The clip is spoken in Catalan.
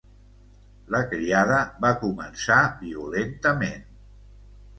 La criada va començar violentament.